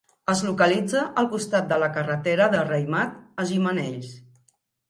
Es localitza al costat de la carretera de Raimat a Gimenells.